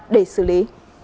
để xử lý